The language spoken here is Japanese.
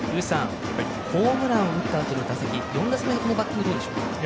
ホームランを打ったあとの打席４打席目のバッティングはどうでしょう？